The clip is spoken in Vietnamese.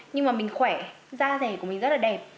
nhưng mà mình khỏe da rẻ của mình rất là đẹp